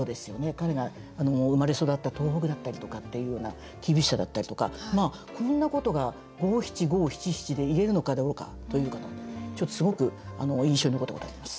彼が生まれ育った東北だったりとかっていうような厳しさだったりとかこんなことが五七五七七で言えるのかどうかすごく印象に残ったことがあります。